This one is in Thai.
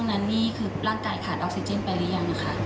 นั้นนี่คือร่างกายขาดออกซิเจนไปหรือยังค่ะ